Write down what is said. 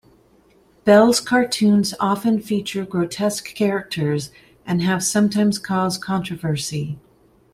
Bell's cartoons often feature grotesque characters, and have sometimes caused controversy.